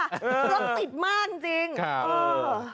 รดสิบมากจริงจริง